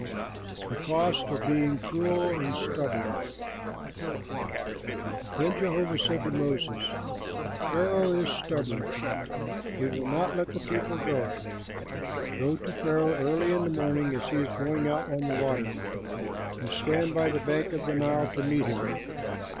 THE COST OF BEING CRUEL AND STUBBORN Then Jehovah said to Moses, "Pharaoh is stubborn; he will not let the people go. Go to Pharaoh early in the morning, as he is going out on the water, and stand by the bank of the Nile to meet him.